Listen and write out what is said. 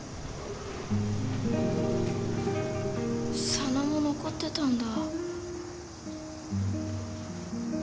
佐野も残ってたんだ。